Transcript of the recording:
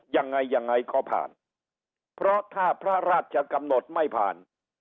ยังไงยังไงก็ผ่านเพราะถ้าพระราชกำหนดไม่ผ่าน